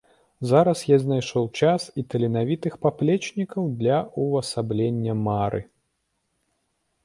Зараз я знайшоў час і таленавітых паплечнікаў для ўвасаблення мары.